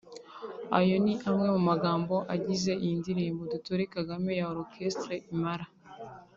Ayo ni amwe mu magambo agize iyi ndirimbo 'Dutore Kagame' ya Orchestre Impala